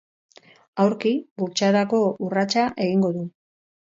Aurki, burtsarako urratsa egingo du.